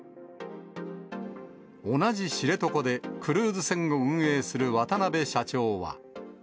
同じ知床でクルーズ船を運営する渡部社長は。